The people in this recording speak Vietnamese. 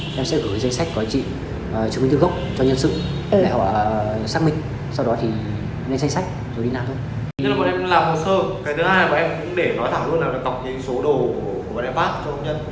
thì đều phải cần để chứng minh thư gốc cho nhân viên em giữ trong vòng đấy cho thời gian đấy thôi chắc